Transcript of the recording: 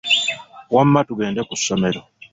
Wamma tugende ku ssomero.